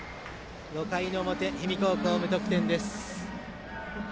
５回の表、氷見高校、無得点です。